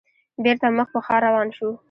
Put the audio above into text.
بېرته مخ په ښار روان شوو.